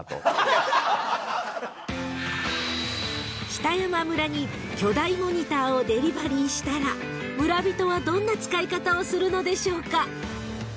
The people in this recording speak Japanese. ［北山村に巨大モニターをデリバリーしたら村人はどんな使い方をするのでしょうか？］